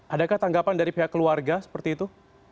adakah tanggapan dari pihak keluarga seperti itu